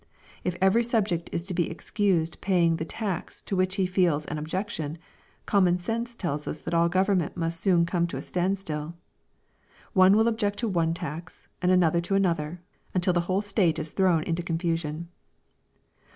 If every subject is to be excused paying the tax to which he feels an objection, conmaon sense tells us that all government must soon come to a stand stilL One will object to one tax, and another to another, until the whole state is thrown into confusion.